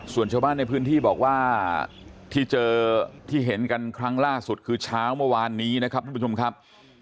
ส่วนชาวบ้านในพื้นที่บอกว่าที่เจอที่เห็นกันครั้งล่าสุดคือเช้าเมื่อวานนี้นะครับทุกผู้ชมครับ